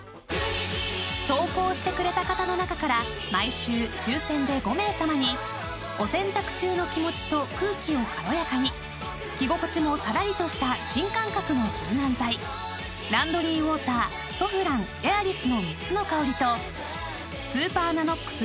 ［投稿してくれた方の中から毎週抽選で５名さまにお洗濯中の気持ちと空気を軽やかに着心地もさらりとした新感覚の柔軟剤ランドリーウォーターソフランＡｉｒｉｓの３つの香りとスーパーＮＡＮＯＸ